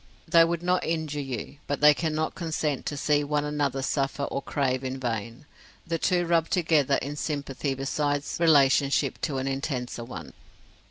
They would not injure you, but they cannot consent to see one another suffer or crave in vain. The two rub together in sympathy besides relationship to an intenser one.